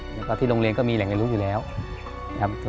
เพราะว่าที่โรงเรียนก็มีแหล่งในรู้อยู่แล้วครับ